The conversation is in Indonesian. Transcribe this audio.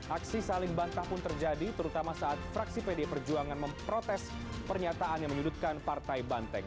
aksi saling bantah pun terjadi terutama saat fraksi pd perjuangan memprotes pernyataan yang menyudutkan partai banteng